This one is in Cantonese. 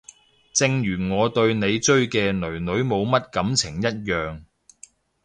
正如我對你追嘅囡囡冇乜感情一樣